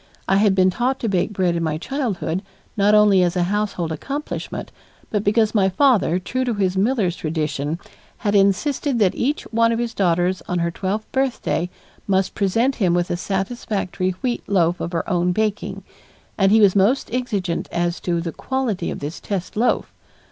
I had been taught to bake bread in my childhood not only as a household accomplishment, but because my father, true to his miller's tradition, had insisted that each one of his daughters on her twelfth birthday must present him with a satisfactory wheat loaf of her own baking, and he was most exigent as to the quality of this test loaf.